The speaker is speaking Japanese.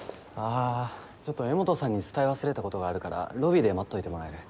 あちょっと江本さんに伝え忘れたことがあるからロビーで待っといてもらえる？